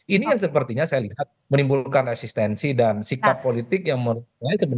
ini yang sepertinya saya lihat menimbulkan resistensi dan sikap politik yang sebenarnya sebagai bentuk penolakan